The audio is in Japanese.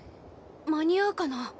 間に合うかな。